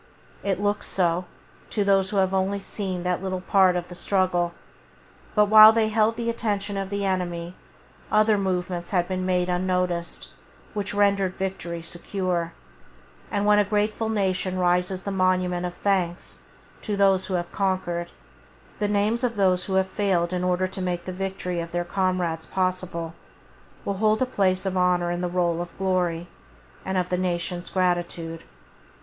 It looks so to those who have only seen that little part of the struggle; but while they held the attention of the enemy, other movements had been made unnoticed which rendered victory secure, and when a grateful nation raises the monument of thanks to those who have conquered, the names of those who have failed in order to make the victory of their comrades possible will hold a place of honour in the roll of glory, and of the nation's gratitude.